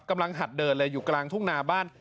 หัดเดินเลยอยู่กลางทุ่งนาบ้าน